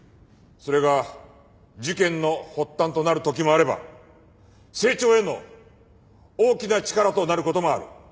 それが事件の発端となる時もあれば成長への大きな力となる事もある。